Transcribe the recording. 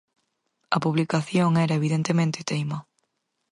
A publicación era, evidentemente, Teima.